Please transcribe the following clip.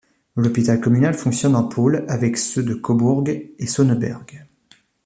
L'hôpital communal fonctionne en pôle avec ceux de Cobourg et Sonneberg.